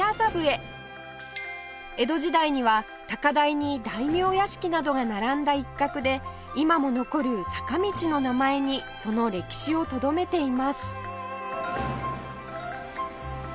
江戸時代には高台に大名屋敷などが並んだ一角で今も残る坂道の名前にその歴史をとどめています